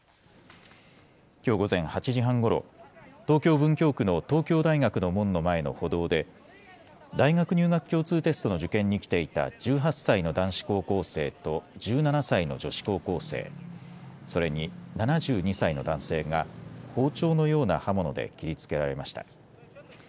きょう午前８時半ごろ、東京文京区の東京大学の門の前の歩道で大学入学共通テストの受験に来ていた１８歳の男子高校生と１７歳の女子高校生、それに７２歳の男性が包丁のような刃物で切りつけられました。